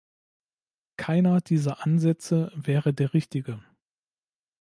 Keiner dieser Ansätze wäre der richtige.